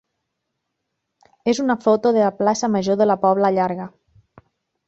és una foto de la plaça major de la Pobla Llarga.